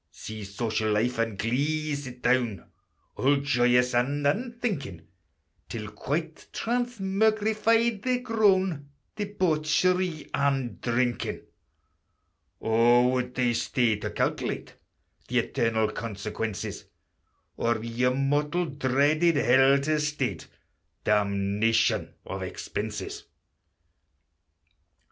See Social life and Glee sit down, All joyous and unthinking, Till, quite transmugrified, they're grown Debauchery and Drinking: O, would they stay to calculate The eternal consequences; Or your mortal dreaded hell to state, Damnation of expenses!